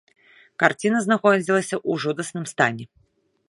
Карціна знаходзілася ў жудасным стане.